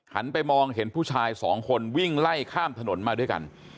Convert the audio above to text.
ไปมองเห็นผู้ชายสองคนวิ่งไล่ข้ามถนนมาด้วยกัน